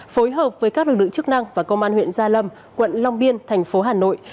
phối hợp với các lực lượng chức năng và công an huyện gia lâm quận long biên thành phố hà nội